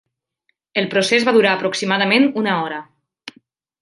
El procés va durar aproximadament una hora.